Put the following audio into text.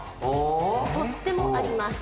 とってもあります。